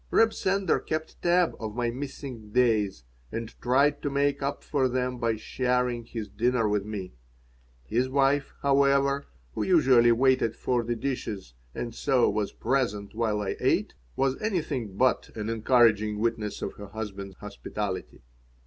Reb Sender kept tab of my missing "days" and tried to make up for them by sharing his dinner with me. His wife, however, who usually waited for the dishes and so was present while I ate, was anything but an encouraging witness of her husband's hospitality.